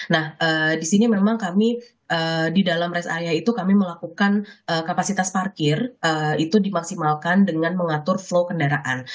nah di sini memang kami di dalam rest area itu kami melakukan kapasitas parkir itu dimaksimalkan dengan mengatur flow kendaraan